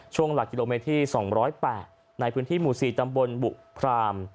ช่วงหลักกิโลเมตรที่สองร้อยแปดในพื้นที่หมู่สี่ตำบลบุพราม